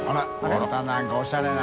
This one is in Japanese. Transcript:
またなんかおしゃれな。